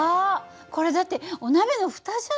これだってお鍋の蓋じゃない！